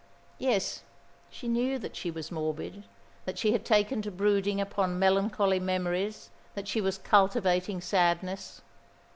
Yes, she knew that she was morbid, that she had taken to brooding upon melancholy memories, that she was cultivating sadness.